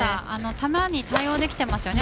球に対応できていますよね